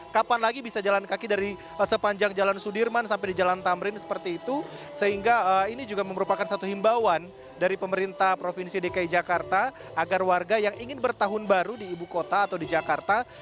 kapan lagi bisa jalan kaki dari sepanjang jalan sudirman sampai di jalan tamrin seperti itu sehingga ini juga merupakan satu himbauan dari pemerintah provinsi dki jakarta agar warga yang ingin bertahun baru di ibu kota atau di jakarta